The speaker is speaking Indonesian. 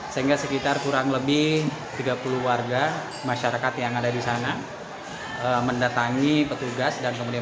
sehingga sekitar kurang lebih tiga puluh warga masyarakat yang ada di sana mendatangi petugas dan kemudian